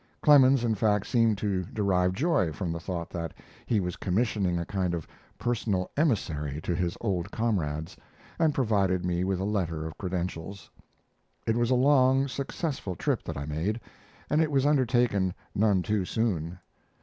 Clemens, in fact, seemed to derive joy from the thought that he was commissioning a kind of personal emissary to his old comrades, and provided me with a letter of credentials. It was a long, successful trip that I made, and it was undertaken none too soon.